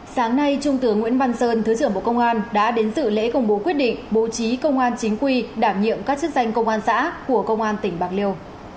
sáng nay trung tướng nguyễn văn sơn thứ trưởng bộ công an đã đến dự lễ công bố quyết định bố trí công an chính quy đảm nhiệm các chức danh công an xã của công an tỉnh bạc liêu